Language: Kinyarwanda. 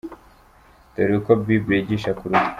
Dore uko Bible yigisha ku Rupfu.